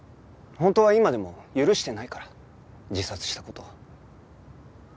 本当は今でも許してないから自殺した事。